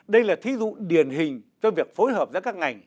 đây là thí dụ điển hình cho việc phối hợp giữa các ngành